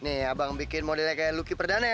nih abang bikin modelnya kayak lucky perdana ya